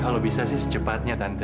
kalau bisa sih secepatnya tante